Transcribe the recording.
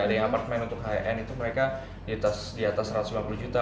ada yang apartemen untuk high end itu mereka di atas satu ratus lima puluh juta